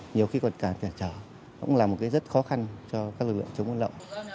nhiều khi còn càng cản trở cũng là một cái rất khó khăn cho các lực lượng chống buôn lậu